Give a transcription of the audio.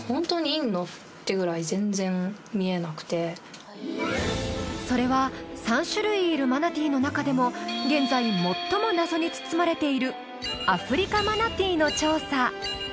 っていうぐらいそれは３種類いるマナティーの中でも現在アフリカマナティーの調査。